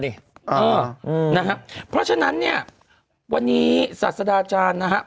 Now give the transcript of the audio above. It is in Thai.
เอออืมนะฮะเพราะฉะนั้นเนี่ยวันนี้ศาสดาอาจารย์นะฮะ